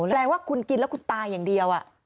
แปลว่าคุณกินแล้วคุณตายอย่างเดียว